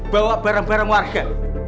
bawa bareng bareng warga